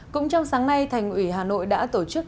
cũng trong sáng nay thành ủy hà nội đã tổ chức